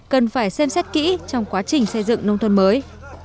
cần phải xem xét kỹ trong quá trình xây dựng nông thôn mới